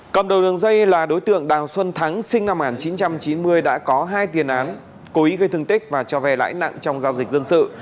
cầm đầu đường dây là đối tượng đào xuân thắng sinh năm một nghìn chín trăm chín mươi đã có hai tiền án cố ý gây thương tích và cho ve lãi nặng trong giao dịch dân sự